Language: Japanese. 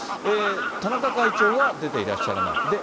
田中会長は出ていらっしゃらない。